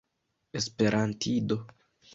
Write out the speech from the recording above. esperantido